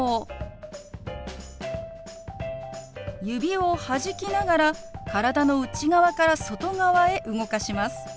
指をはじきながら体の内側から外側へ動かします。